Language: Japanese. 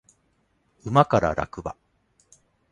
馬から落馬